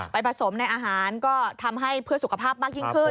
ไปผสมในอาหารก็ทำให้เพื่อสุขภาพมากยิ่งขึ้น